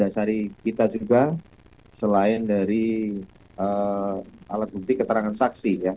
jadi kita juga selain dari alat bukti keterangan saksi ya